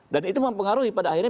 dan itu mempengaruhi pada akhirnya